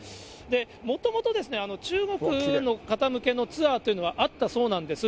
もともと、中国の方向けのツアーというのはあったそうなんです。